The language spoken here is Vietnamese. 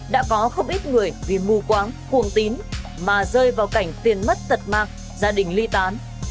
đã có không ít người vì mù quáng cuồng tín mà rơi vào cảnh tiền mất tật mạc gia đình ly tán